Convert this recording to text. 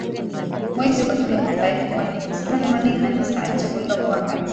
mwezi wa pili mwaka elfu moja mia saba themanini na tisa alichaguliwa kuwa rais